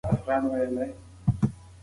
لوستل په حوصله کېږي او له خپګان پرته دی.